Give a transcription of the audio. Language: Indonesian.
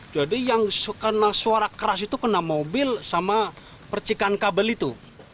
jadi yang karena suara keras itu kena mobil sama percikan kabel itu